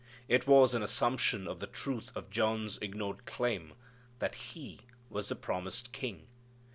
It was an assumption of the truth of John's ignored claim that He was the promised King.